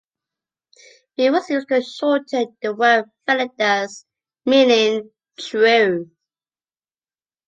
"V" was used to shorten the word "veritas", meaning 'true'.